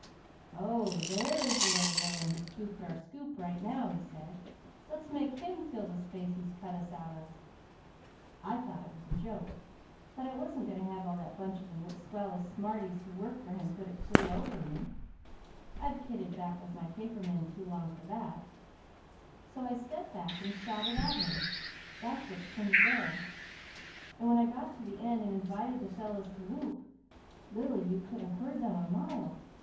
'Oh there is the little villain who scooped our scoop, right now,' he said. 'Let's make him fill the space he's cut us out of.' I thought it was a joke, but I wasn't going to have all that bunch of the swellest smarties who work for him put it clear over me; I've kidded back with my paper men too long for that; so I stepped back and shot it at him, that what's printed there, and when I got to the end and invited the fellows to 'Whoop,' Lily, you could a heard them a mile.